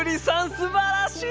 すばらしい！